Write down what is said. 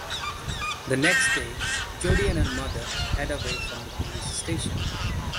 The next day, Jody and her mother head away from the police station.